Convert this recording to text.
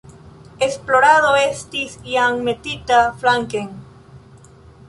Esplorado estis jam metita flanken.